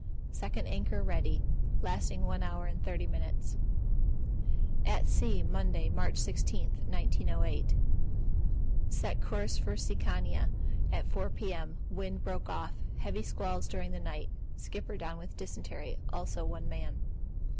(Second anchor ready) Lasting one hour and 30 minutes. At sea, Monday, March 16, 1908. Set course for Sikiana at 4 P.M. Wind broke off. Heavy squalls during the night. Skipper down on dysentery, also one man.